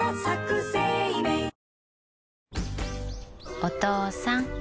お父さん。